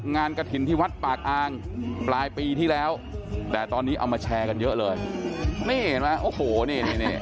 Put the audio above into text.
กระถิ่นที่วัดปากอางปลายปีที่แล้วแต่ตอนนี้เอามาแชร์กันเยอะเลยนี่เห็นไหมโอ้โหนี่นี่